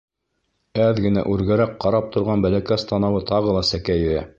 Әҙ генә үргәрәк ҡарап торған бәләкәс танауы тағы ла сәкәйҙе.